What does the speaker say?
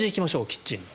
キッチンの。